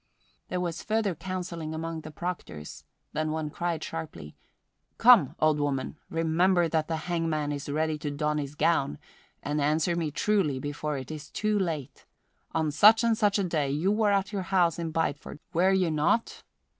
There was further counselling among the proctors, then one cried sharply, "Come, old woman, remember that the hangman is ready to don his gown, and answer me truly before it is too late: on such and such a day you were at your house in Bideford, were you not?"